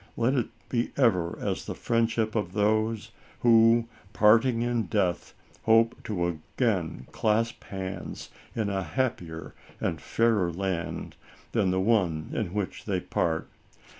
Let it be ever as the friendship of those, who, parting in death, hope to again clasp hands, in a happier and fairer land, than the one in which they part.